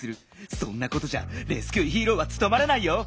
そんなことじゃレスキューヒーローはつとまらないよ。